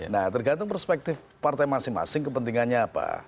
nah tergantung perspektif partai masing masing kepentingannya apa